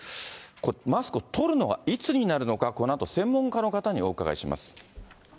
これ、マスクを取るのはいつになるのか、このあと専門家の方にお伺いしま